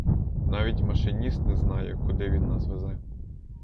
Навіть машиніст не знає, куди він нас везе.